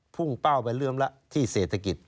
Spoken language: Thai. พุ่งเป้าไปเริ่มแล้วที่เศรษฐกิจ